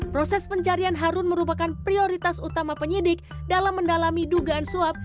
proses pencarian harun merupakan prioritas utama penyidik dalam mendalami dugaan suap